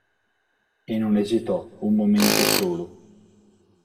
E non esitò un momento solo.